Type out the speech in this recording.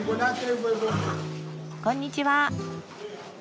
こんにちは。